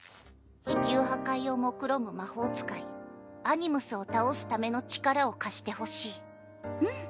地球破壊をもくろむ魔法使いアニムスを倒すための力を貸してほしいうん。